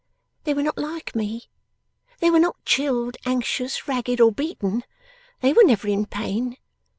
They were not like me; they were not chilled, anxious, ragged, or beaten; they were never in pain.